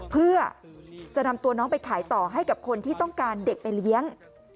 เพื่อจะนำตัวน้องไปขายต่อให้กับคนที่ต้องการเด็กไปเลี้ยง